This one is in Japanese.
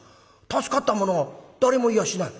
助かった者は誰もいやしない。